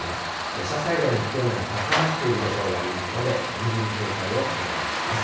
土砂災害の危険度も高まっている所がありますので、厳重に警戒をお願いします。